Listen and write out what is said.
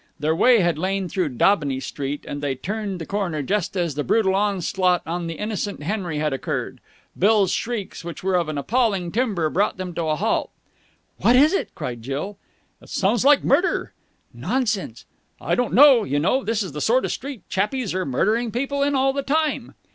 Their way had lain through Daubeny Street, and they turned the corner just as the brutal onslaught on the innocent Henry had occurred. Bill's shrieks, which were of an appalling timbre, brought them to a halt. "What is it?" cried Jill. "It sounds like a murder!" "Nonsense!" "I don't know, you know. This is the sort of street chappies are murdering people in all the time."